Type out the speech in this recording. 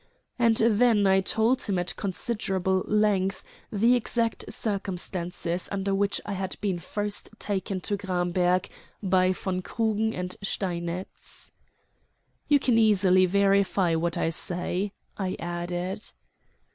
And then I told him at considerable length the exact circumstances under which I had first been taken to Gramberg by von Krugen and Steinitz. "You can easily verify what I say," I added.